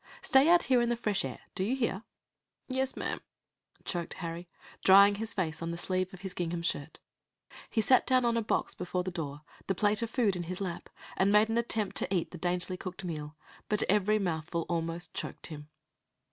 "Stay out here in the fresh air. Do you hear?" "Yes, ma'am," choked Harry, drying his face on the sleeve of his gingham shirt. He sat down on a box before the door, the plate of food in his lap, and made an attempt to eat the daintily cooked meal, but every mouthful almost choked him.